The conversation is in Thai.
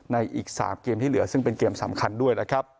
อีก๓เกมที่เหลือซึ่งเป็นเกมสำคัญด้วยนะครับ